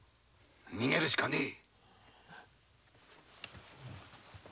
逃げるしかねえ。